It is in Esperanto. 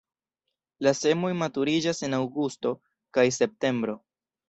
La semoj maturiĝas en aŭgusto kaj septembro.